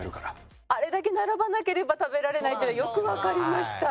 あれだけ並ばなければ食べられないというのがよくわかりました。